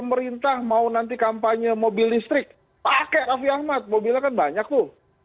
pemerintah mau nanti kampanye mobil listrik pakai raffi ahmad mobilnya kan banyak tuh